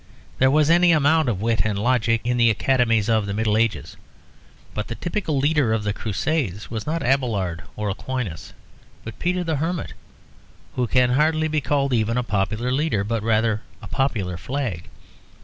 There was any amount of wit and logic in the academies of the Middle Ages; but the typical leader of the Crusade was not Abelard or Aquinas but Peter the Hermit, who can hardly be called even a popular leader, but rather a popular flag.